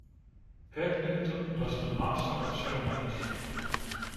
Bert Newton was the Master of Ceremonies.